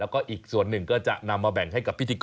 แล้วก็อีกส่วนหนึ่งก็จะนำมาแบ่งให้กับพิธีกร